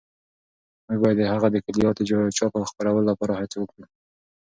موږ باید د هغه د کلیات د چاپ او خپرولو لپاره هڅې وکړو.